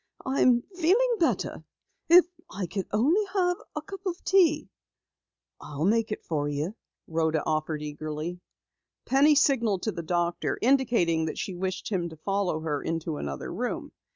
I'm feeling better. If I could only have a cup of tea " "I'll make it for you," Rhoda offered eagerly. Penny signaled to the doctor, indicating that she wished him to follow her into another room.